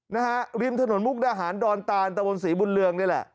นะฮะริมถนนมุกดาหารดอนตานตะวนศรีบุญเรืองนี่แหละ